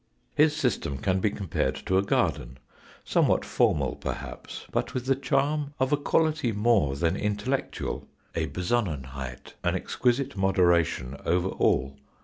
His system can be compared to a garden, somewhat formal perhaps, but with the charm of a quality more than intellectual, a besonnenheit, an exquisite moderation over all.